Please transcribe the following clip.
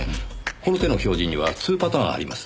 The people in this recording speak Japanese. この手の表示には２パターンあります。